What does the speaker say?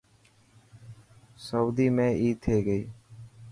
سوئدي ۾ عيد ٿي گئي.